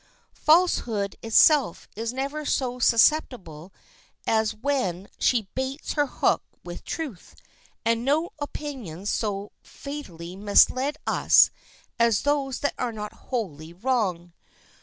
Falsehood itself is never so susceptible as when she baits her hook with truth, and no opinions so fatally mislead us as those that are not wholly wrong.